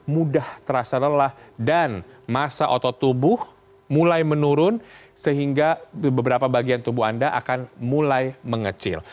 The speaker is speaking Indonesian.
mudah terasa lelah dan masa otot tubuh mulai menurun sehingga beberapa bagian tubuh anda akan mulai mengecil